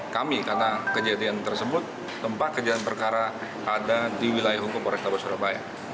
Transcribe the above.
kami karena kejadian tersebut tempat kejadian perkara ada di wilayah hukum polrestabes surabaya